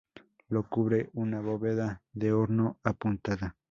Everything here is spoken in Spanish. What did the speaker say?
Lo cubre una bóveda de horno apuntada.